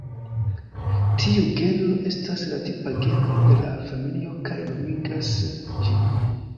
Tiu genro estas la tipa genro de la familio kaj nomigas ĝin.